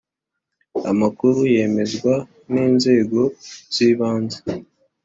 Amakuru yemezwa n’inzego z’ibanze